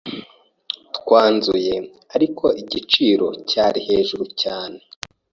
Twanzuye, ariko ko igiciro cya .. yen cyari hejuru cyane.